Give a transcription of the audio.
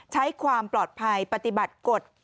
ใช้ความปลอดภัยปฏิบัติกฎ